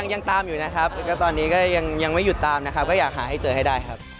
ยังตามอยู่นะครับแล้วก็ตอนนี้ก็ยังไม่หยุดตามนะครับก็อยากหาให้เจอให้ได้ครับ